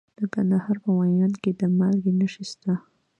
د کندهار په میوند کې د مالګې نښې شته.